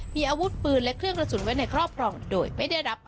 มีอาวุธปืนและเครื่องกระสุนไว้ในครอบครองโดยไม่ได้รับ